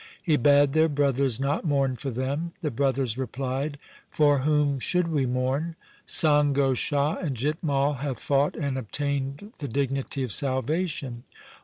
He bade their brothers not mourn for them. The brothers replied, ' For whom should we mourn? Sango Shah and Jit Mai have fought and obtained the dignity of salvation.